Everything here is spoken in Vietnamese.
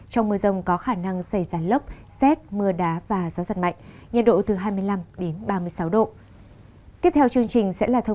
trong mưa rông có khả năng xảy ra lốc xét mưa đá và gió giật mạnh nhiệt độ từ hai mươi năm ba mươi sáu độ